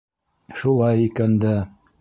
Шулай икән дә...